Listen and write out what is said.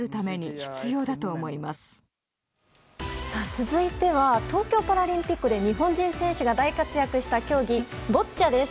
続いては東京パラリンピックで日本人選手が大活躍した競技ボッチャです。